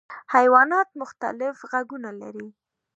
حیوانات مختلف غږونه لري.